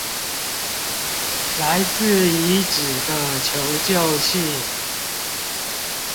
來自遺址的求救信